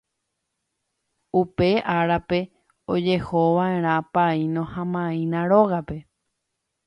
Upe árape ojehova'erã paíno ha maína rógape